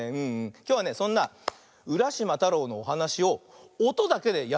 きょうはねそんな「うらしまたろう」のおはなしをおとだけでやってみるよ。